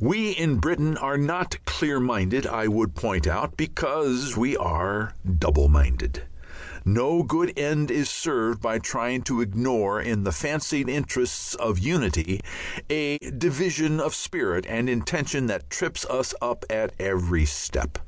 We in Britain are not clear minded, I would point out, because we are double minded. No good end is served by trying to ignore in the fancied interests of "unity" a division of spirit and intention that trips us up at every step.